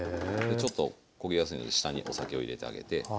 ちょっと焦げやすいので下にお酒を入れてあげて。